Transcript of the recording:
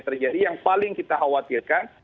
terjadi yang paling kita khawatirkan